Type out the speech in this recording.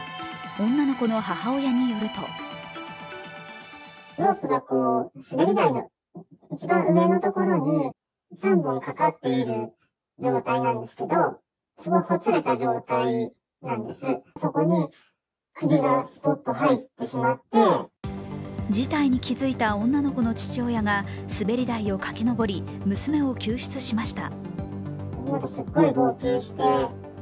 女の子の母親によると事態に気づいた女の子の父親が滑り台を駆けのぼり娘を救出しました。